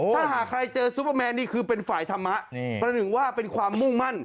ถ้าหากใครเจอซุปเปอร์แมนนี่คือเป็นฝ่ายธรรมะประหนึ่งว่าเป็นความมุ่งมั่น